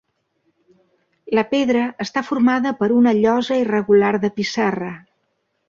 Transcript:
La pedra està formada per una llosa irregular de pissarra.